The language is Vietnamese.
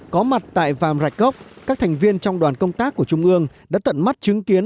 có mặt tại vàm rạch gốc các thành viên trong đoàn công tác của trung ương đã tận mắt chứng kiến